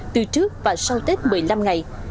từ trước và sau tết một mươi năm ngày